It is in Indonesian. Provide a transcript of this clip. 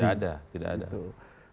tidak ada tidak ada